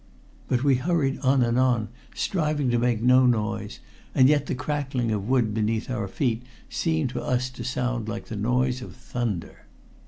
But we hurried on and on, striving to make no noise, and yet the crackling of wood beneath our feet seemed to us to sound like the noise of thunder.